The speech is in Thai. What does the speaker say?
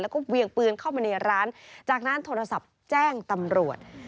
แล้วก็เวียงปืนเข้ามาในร้านจากนั้นโทรศัพท์แจ้งตำรวจ